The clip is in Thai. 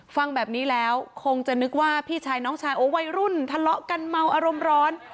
ฟังแบบนี้แล้วคงจะนึกว่าพี่ชายน้องชายโอ้วัยรุ่นทะเลาะกันเมาอารมณ์ร้อน